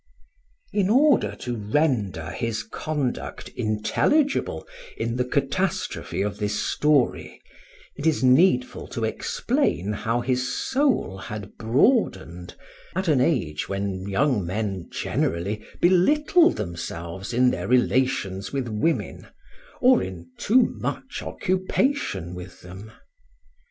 In order to render his conduct intelligible in the catastrophe of this story, it is needful to explain how his soul had broadened at an age when young men generally belittle themselves in their relations with women, or in too much occupation with them.